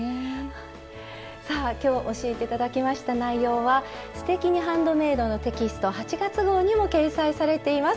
さあ今日教えて頂きました内容は「すてきにハンドメイド」のテキスト８月号にも掲載されています。